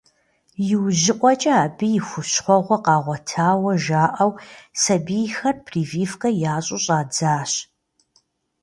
Иужьыӏуэкӏэ абы и хущхуэхъуэ къагъуэтауэ жаӏэу сабийхэр прививкэ ящӏу щӏадзащ.